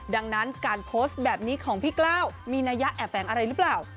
ดังนั้นการโพสต์แบบนี้ของพี่กล้าวมีนัยะแอบแฝงอะไรหรือเปล่า